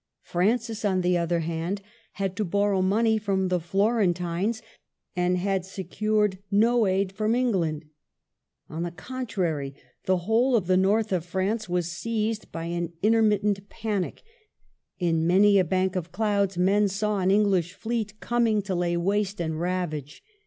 Francis, on the other hand, had to borrow money from the Florentines, and had secured no aid from England. On the contrary, the whole of the North of France was seized by an intermit tent panic ; in many a bank of clouds men saw an English fleet coming to lay waste and rav age.